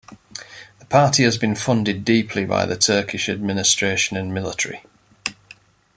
The party has been funded deeply by the Turkish administration and military.